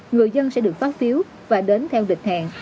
người dân sẽ được phát phiếu và đến theo lịch hẹn